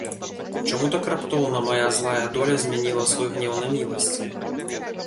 Чаму так раптоўна мая злая доля змяніла свой гнеў на міласць?